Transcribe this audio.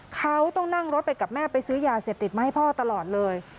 เขาต้องนั่งรถไปกับแม่ไปซื้อยาเสพติดมาให้พ่อตลอดเลย